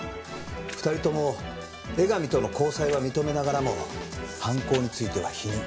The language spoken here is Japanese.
２人とも江上との交際は認めながらも犯行については否認。